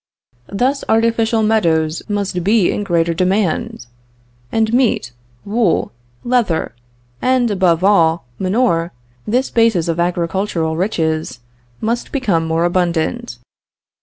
Thus artificial meadows must be in greater demand; and meat, wool, leather, and above all, manure, this basis of agricultural riches, must become more abundant.